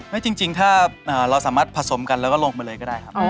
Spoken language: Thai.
จริงถ้าเราสามารถผสมกันแล้วก็ลงไปเลยก็ได้ครับ